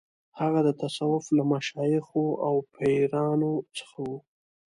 هغه د تصوف له مشایخو او پیرانو څخه و.